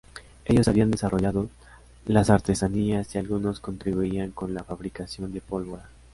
Ellos habían desarrollados las artesanías y algunos contribuían con la fabricación de pólvora.